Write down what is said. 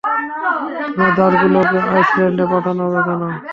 উনার দাসগুলোকে আইসল্যান্ডে পাঠানো হবে কেন?